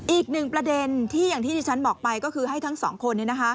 อีกหนึ่งประเด็นที่อย่างที่ที่ฉันบอกไปก็คือให้ทั้งสองคน